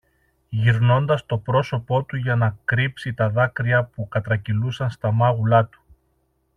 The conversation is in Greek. γυρνώντας το πρόσωπο του για να κρύψει τα δάκρυα που κατρακυλούσαν στα μάγουλα του